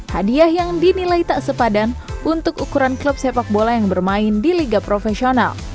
hadiah yang dinilai tak sepadan untuk ukuran klub sepak bola yang bermain di liga profesional